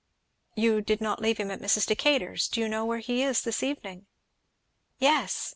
"You did not leave him at Mrs. Decatur's. Do you know where he is this evening?" "Yes!"